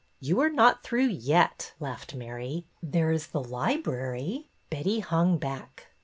'' You are not through yet," laughed Mary. There is the library." Betty hung back.